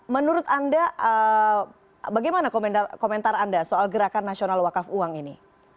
menurut anda bagaimana komentar anda soal gerakan nasional wakaf uang ini